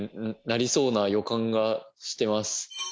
なりそうな予感がしてます。